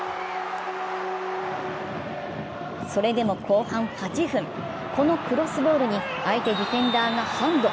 それでも後半８分、このクロスボールに相手ディフェンダーがハンド。